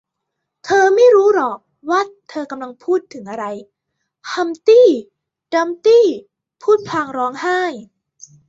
เธอไม่รู้หรอกว่าเธอกำลังพูดถึงอะไร ฮัมพ์ตี้ดัมพ์ตี้พูดพลางร้องไห้